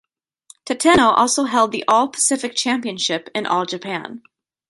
Tateno also held the All Pacific Championship in All Japan.